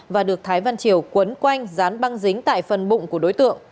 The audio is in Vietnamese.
và được thái văn triều cuốn quanh dán băng dính tại phần bụng của đối tượng